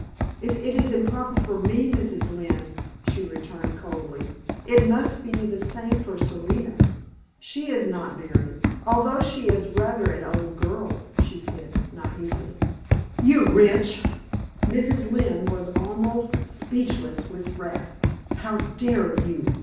"If it is improper for me, Mrs. Lynne," she returned coldly, "it must be the same for Serena. She is not married, although she is rather an old girl," she added, naïvely. "You wretch!" Mrs. Lynne was almost speechless with wrath. "How dare you?"